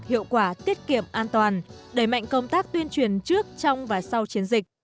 hiệu quả tiết kiệm an toàn đẩy mạnh công tác tuyên truyền trước trong và sau chiến dịch